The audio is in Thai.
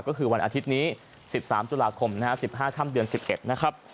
ก็คือวันอาทิตย์นี้๑๓ตุลาคมนะฮะ๑๕ค่ำเดือน๑๑นะครับ